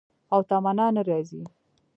او تمنا نه راځي